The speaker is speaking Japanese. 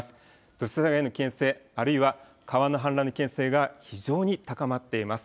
土砂災害の危険性、あるいは川の氾濫の危険性が非常に高まっています。